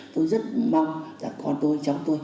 tôi rất mong là con tôi cháu tôi